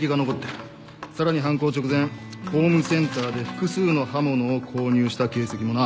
さらに犯行直前ホームセンターで複数の刃物を購入した形跡もな。